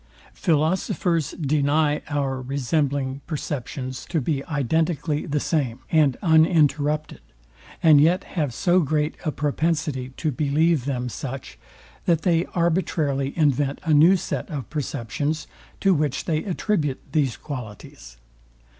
Philosophers deny our resembling perceptions to be identically the same, and uninterrupted; and yet have so great a propensity to believe them such, that they arbitrarily invent a new set of perceptions, to which they attribute these qualities.